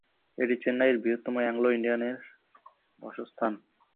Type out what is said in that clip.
এটি চেন্নাইয়ের বৃহত্তম অ্যাংলো ইন্ডিয়ানদের বাসস্থান।